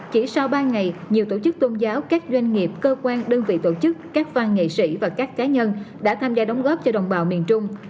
chỉ sau ba ngày nhiều tổ chức tôn giáo các doanh nghiệp cơ quan đơn vị tổ chức các văn nghệ sĩ và các cá nhân đã tham gia đóng góp cho đồng bào miền trung